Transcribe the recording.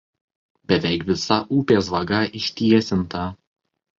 Beveik visa upės vaga ištiesinta.